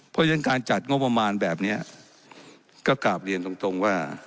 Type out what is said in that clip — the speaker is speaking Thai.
เพราะฉะนั้นการจัดงบประมาณแบบนี้ก็กราบเรียนตรงว่า